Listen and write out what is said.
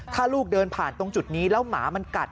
ถ้าลูกเดินผ่านตรงจุดนี้แล้วหมามันกัด